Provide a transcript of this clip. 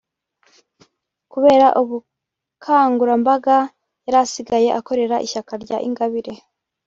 Kubera ubukangurambaga yarasigaye akorera ishyaka rya Ingabire